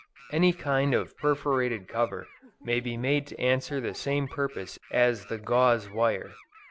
Any kind of perforated cover may be made to answer the same purpose as the gauze wire.